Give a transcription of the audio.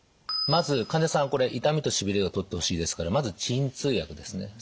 まず患者さん痛みとしびれを取ってほしいですからまず鎮痛薬ですね。